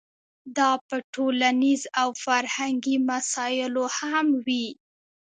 دا په ټولنیزو او فرهنګي مسایلو هم وي.